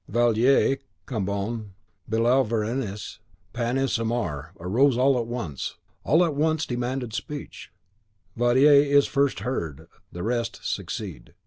Vadier, Cambon, Billaud Varennes, Panis, Amar, rose at once, all at once demanded speech. Vadier is first heard, the rest succeed.